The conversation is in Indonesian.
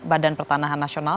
badan pertanahan nasional